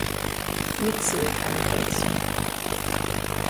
Mitsui Chemicals